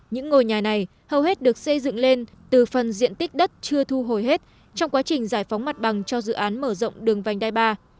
những ngôi nhà này hầu hết được xây dựng lên từ phần diện tích đất chưa thu hồi hết trong quá trình giải phóng mặt bằng cho dự án mở rộng đường vành đai ba